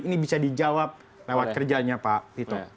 ini bisa dijawab lewat kerjanya pak tito